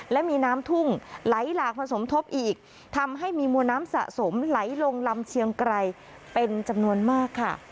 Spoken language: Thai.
และมีน้ำทุ่งไหลหลากผสมทบอีกทำให้มีมวลน้ำสะสมไหลลงลำเชียงไกรเป็นจำนวนมากค่ะ